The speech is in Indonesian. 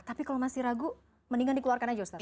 tapi kalau masih ragu mendingan dikeluarkan aja ustaz